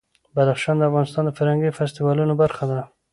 بدخشان د افغانستان د فرهنګي فستیوالونو برخه ده.